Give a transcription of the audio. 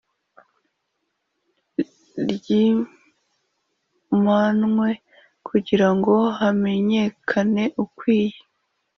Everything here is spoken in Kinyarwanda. ryimanwe Kugira ngo hamenyekane ukwiye